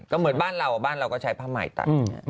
ก็เหมือนบ้านเราบ้านเราก็ใช้ผ้าใหม่ตัด